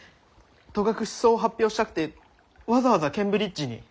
戸隠草を発表したくてわざわざケンブリッジに？